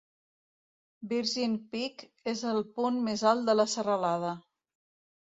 Virgin Peak és el punt més alt de la serralada.